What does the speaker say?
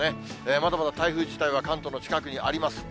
まだまだ台風自体は関東の近くにあります。